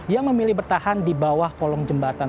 yang memilih bertahan di bawah kolong jembatan